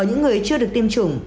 ở những người chưa được tiêm chủng